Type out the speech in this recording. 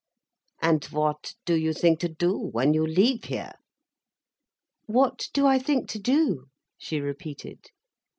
And what do you think to do when you leave here?" "What do I think to do?" she repeated.